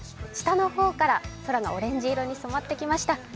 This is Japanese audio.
下の方から空がオレンジ色に染まってきました。